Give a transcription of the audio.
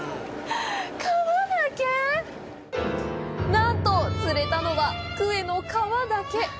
なんと釣れたのは、クエの皮だけ。